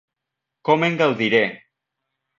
Com en gaudiré!